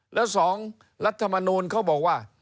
แล้ว๒รัฐมนูลเขาบอกว่า